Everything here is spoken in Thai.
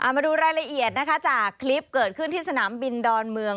มาดูรายละเอียดนะคะจากคลิปเกิดขึ้นที่สนามบินดอนเมือง